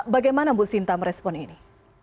bagaimana bu sinta merespon ini